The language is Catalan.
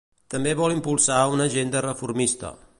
També vol impulsar una agenda reformista.